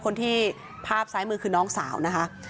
คนที่ภาพซ้ายมือคือน้องสาวนะคะ